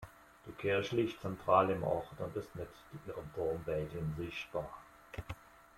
Die Kirche liegt zentral im Ort und ist mit ihrem Turm weithin sichtbar.